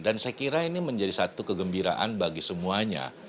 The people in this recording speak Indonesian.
dan saya kira ini menjadi satu kegembiraan bagi semuanya